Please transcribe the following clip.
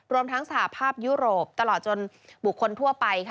รวมทั้งสหภาพยุโรปตลอดจนบุคคลทั่วไป